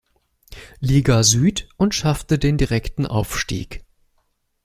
Liga Süd und schaffte den direkten Aufstieg.